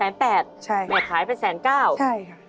แม่ขายไป๑๐๙๐๐๐ค่ะใช่ค่ะใช่ค่ะ